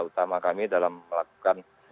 utama kami dalam melakukan